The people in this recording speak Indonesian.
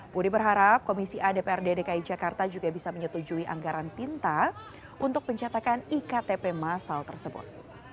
budi berharap komisi adprd dki jakarta juga bisa menyetujui anggaran pintar untuk pencetakan iktp masal tersebut